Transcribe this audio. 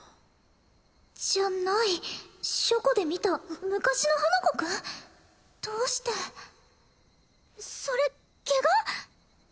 じゃない書庫で見た昔の花子くん？どうしてそれケガ？